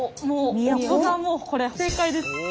もうこれ正解です。